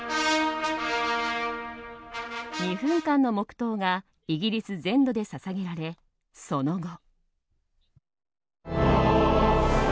２分間の黙祷がイギリス全土で捧げられ、その後。